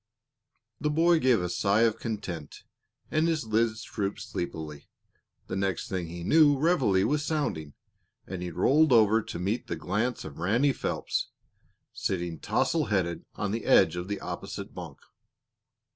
The boy gave a sigh of content, and his lids drooped sleepily. The next thing he knew reveille was sounding, and he rolled over to meet the glance of Ranny Phelps, sitting tousle headed on the edge of the opposite bunk.